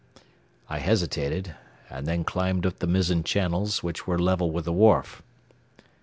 I hesitated, and then climbed up the mizzen channels, which were level with the wharf.